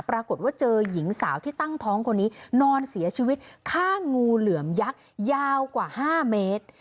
ปรากฏว่าเจอหญิงสาวที่ตั้งท้องคนนี้นอนเสียชีวิตข้างงูเหลือมยักษ์ยาวกว่า๕เมตร